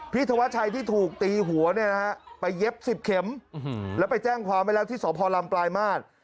ธวัชชัยที่ถูกตีหัวเนี่ยนะฮะไปเย็บ๑๐เข็มแล้วไปแจ้งความไว้แล้วที่สพลำปลายมาตร